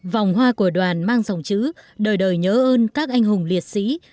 vòng hoa của đoàn mang dòng chữ đời đời nhớ ơn các anh hùng liệt sĩ